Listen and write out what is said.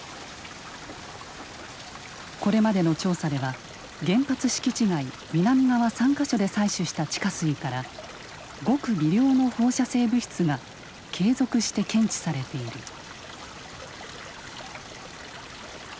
これまでの調査では原発敷地外南側３か所で採取した地下水からごく微量の放射性物質が継続して検知されている。